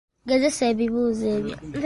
Gezesa ebibuuzo ebyo